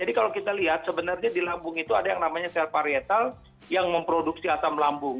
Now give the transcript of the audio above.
jadi kalau kita lihat sebenarnya di lambung itu ada yang namanya sel parietal yang memproduksi asam lambung